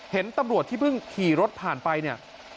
เห็นตำรวจที่เพิ่งขี่รถผ่านไปเนี่ย